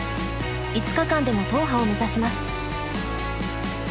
５日間での踏破を目指します。